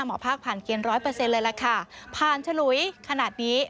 หมอภาคผ่านเกณฑ์ร้อยเปอร์เซ็นเลยล่ะค่ะผ่านฉลุยขนาดนี้